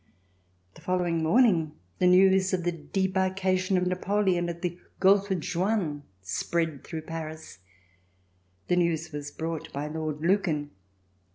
The follow ing morning the news of the debarkation of Napoleon at the Golfe Juan spread through Paris. The news was brought by Lord Lucan.